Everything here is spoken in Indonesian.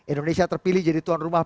indonesia terpilih jadi tuan rumah